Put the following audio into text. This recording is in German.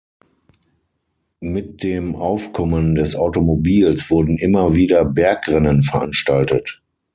Mit dem Aufkommen des Automobils wurden immer wieder „Bergrennen“ veranstaltet.